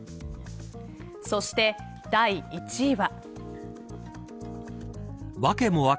そして、第１位は。